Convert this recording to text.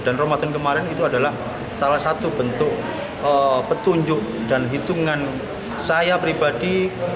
dan ramadan kemarin itu adalah salah satu bentuk petunjuk dan hitungan saya pribadi